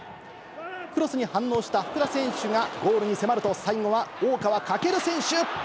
クロスに反応した福田選手がゴールに迫ると、最後は大川翔選手。